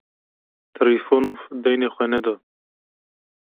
Trifonof deynê xwe neda.